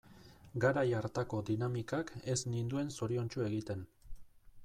Garai hartako dinamikak ez ninduen zoriontsu egiten.